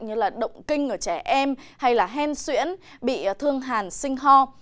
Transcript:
như là động kinh ở trẻ em hay là hen xuyễn bị thương hàn sinh ho